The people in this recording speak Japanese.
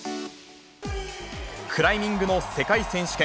クライミングの世界選手権。